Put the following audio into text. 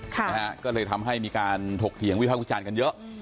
ใช่ฮะก็เลยทำให้มีการถกเหี่ยววิทยาลัยศาสตร์กันเยอะอืม